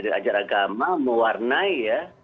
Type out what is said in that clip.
dari ajaran agama mewarnai